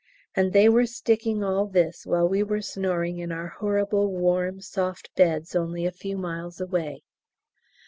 And they were sticking all this while we were snoring in our horrible, warm, soft beds only a few miles away.